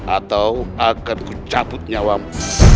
atau akan ku caput nyawamu